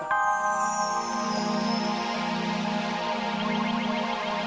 sampai jumpa lagi